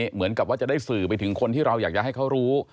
เหมือนกับว่าจะได้สื่อไปถึงคนที่เราอยากจะให้เขารู้